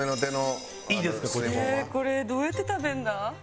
これどうやって食べるんだ？